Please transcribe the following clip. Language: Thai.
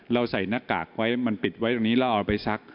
ใส่หน้ากากไว้มันปิดไว้ตรงนี้แล้วเอาไปซัก